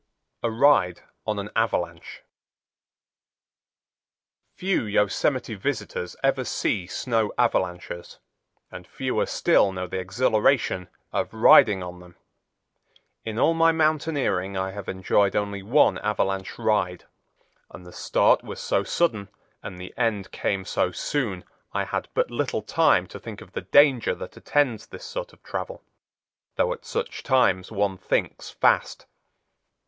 A Ride On An Avalanche Few Yosemite visitors ever see snow avalanches and fewer still know the exhilaration of riding on them. In all my mountaineering I have enjoyed only one avalanche ride, and the start was so sudden and the end came so soon I had but little time to think of the danger that attends this sort of travel, though at such times one thinks fast.